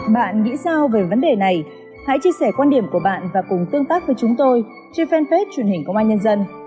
bạn nghĩ sao về vấn đề này hãy chia sẻ quan điểm của bạn và cùng tương tác với chúng tôi trên fanpage truyền hình công an nhân dân